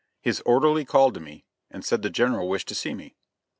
His orderly called to me, and said the General wished to see me.